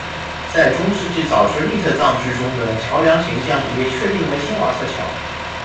在中世纪早期粟特葬具中的桥梁形象已确定为钦瓦特桥。